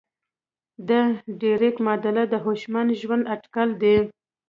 د ډریک معادله د هوشمند ژوند اټکل کوي.